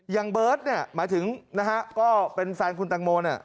เบิร์ตเนี่ยหมายถึงนะฮะก็เป็นแฟนคุณตังโมเนี่ย